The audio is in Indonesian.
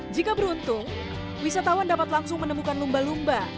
jika beruntung wisatawan dapat langsung menemukan lumba lumba